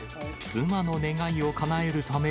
妻の願いをかなえるため、